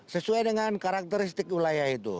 sesuai dengan karakteristik wilayah itu